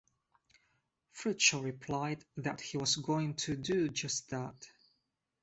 Fritzsche replied that he was going to do just that.